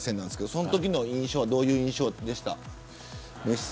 そのときはどういう印象でした。